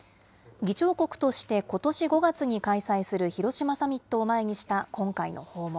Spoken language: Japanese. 議長国としてことし５月に開催する広島サミットを前にした今回の訪問。